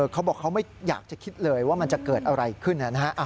เขาบอกเขาไม่อยากจะคิดเลยว่ามันจะเกิดอะไรขึ้นนะฮะ